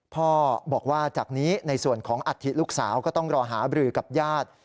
พ่อบอกว่าจากนี้ในส่วนของอัฐิลูกสาวก็ต้องรอหาบรือกับญาติ